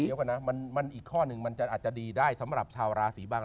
เดี๋ยวก่อนนะมันอีกข้อหนึ่งมันจะอาจจะดีได้สำหรับชาวราศีบ้าง